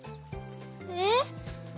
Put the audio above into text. えっ？